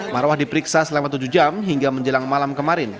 marwah diperiksa selama tujuh jam hingga menjelang malam kemarin